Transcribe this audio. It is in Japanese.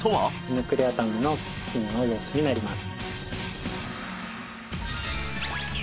ヌクレアタムの菌の様子になります